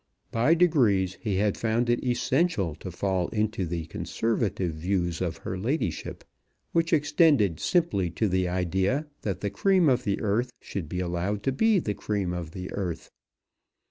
By degrees he had found it essential to fall into the conservative views of her ladyship, which extended simply to the idea that the cream of the earth should be allowed to be the cream of the earth.